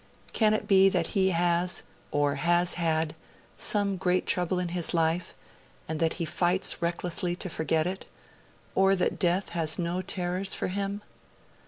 Can it be that he has, or has had, some great trouble in his life, and that he fights recklessly to forget it, or that Death has no terrors for him?'